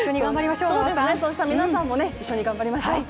そうですね、そうした皆さんもね一緒に頑張りましょう。